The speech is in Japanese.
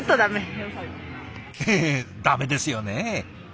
ええダメですよね。